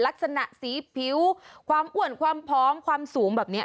ลักษณะสีผิวความอ้วนความพร้อมความสูงแบบนี้